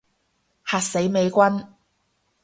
嚇死美軍